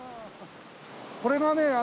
これがね